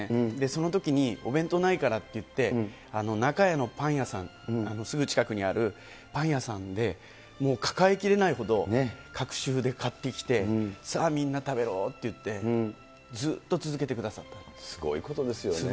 そのときにお弁当ないからって言って、なかえのパン屋さん、すぐ近くにあるパン屋さんで、もう抱えきれないほど隔週で買ってきて、さあみんな食べろって言って、すごいことですよね。